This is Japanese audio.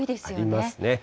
ありますね。